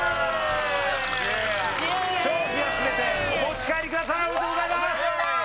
イエーイジュだ商品は全てお持ち帰りくださいおめでとうございます